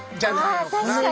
あ確かに！